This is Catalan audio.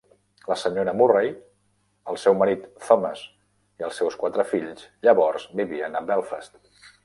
La Sra. Murray, el seu marit Thomas i els seus quatre fills llavors vivien a Belfast.